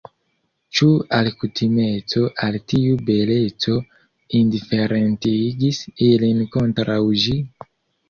Ĉu alkutimeco al tiu beleco indiferentigis ilin kontraŭ ĝi?